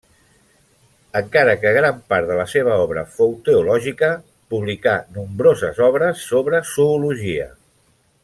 Encara que gran part de la seva obra fou teològica, publicà nombroses obres sobre zoologia.